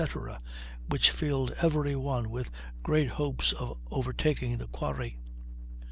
which filled every one with great hopes of overtaking the quarry.